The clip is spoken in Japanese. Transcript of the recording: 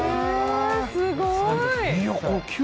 すごい！